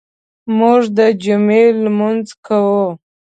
موږ د جمعې لمونځ کوو.